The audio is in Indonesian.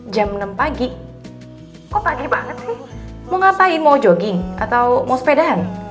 jam enam pagi kok pagi banget nih mau ngapain mau jogging atau mau sepedaan